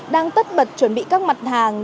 đang tất bật chuẩn bị các mặt hàng